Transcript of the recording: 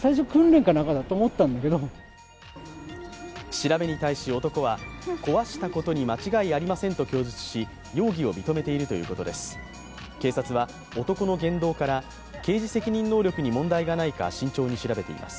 調べに対し男は、壊したことに間違いありませんと供述し、容疑を認めているということです。